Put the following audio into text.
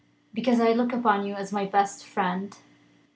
"Because I look upon you as my best friend."